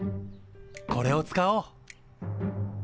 これを使おう。